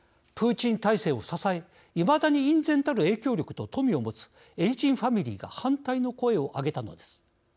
プーチン体制を支えいまだに隠然たる影響力と富を持つエリツィンファミリーが反対の声を上げたのです。